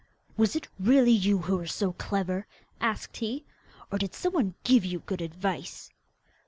'Was it really you who were so clever?' asked he. 'Or did some one give you good advice?